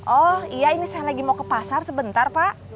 oh iya ini saya lagi mau ke pasar sebentar pak